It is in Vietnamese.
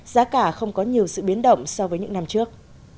giá cả không có nhiều sự biến động so với những năm trước